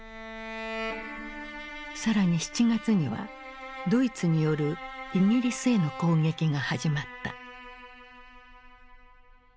更に７月にはドイツによるイギリスへの攻撃が始まった。